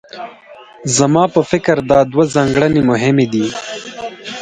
زما په فکر دا دوه ځانګړنې مهمې دي.